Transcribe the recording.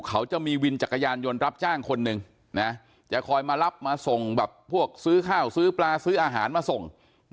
เขาจะมีวินจักรยานยนต์รับจ้างคนหนึ่งนะจะคอยมารับมาส่งแบบพวกซื้อข้าวซื้อปลาซื้ออาหารมาส่ง